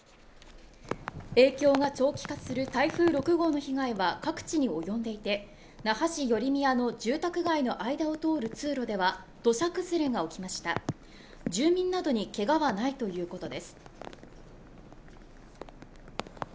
影響が長期化する台風６号の被害は各地に及んでいて那覇市寄宮の住宅街の間を通る通路では土砂崩れが起きました住民などにけがはないということです